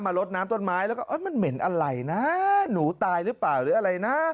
ลดน้ำต้นไม้แล้วก็มันเหม็นอะไรนะหนูตายหรือเปล่าหรืออะไรนะ